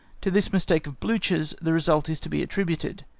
To this mistake of Blücher's the result is to be attributed.